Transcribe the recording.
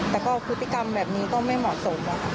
แต่ก็พฤติกรรมแบบนี้ก็ไม่เหมาะสม